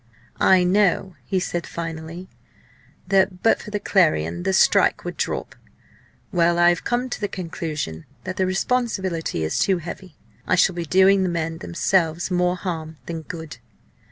"I know," he said finally, "that but for the Clarion the strike would drop. Well! I have come to the conclusion that the responsibility is too heavy. I shall be doing the men themselves more harm than good.